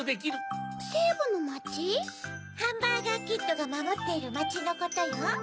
ハンバーガーキッドがまもっているまちのことよ。